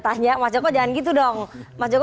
tanya mas joko jangan gitu dong mas joko